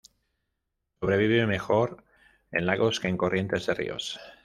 Sobrevive mejor en lagos que en corrientes de ríos.